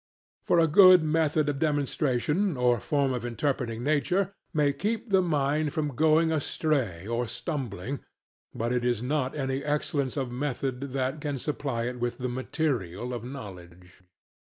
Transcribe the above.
For a good method of demonstration or form of interpreting nature may keep the mind from going astray or stumbling, but it is not any excellence of method that can supply it with the material of knowledge.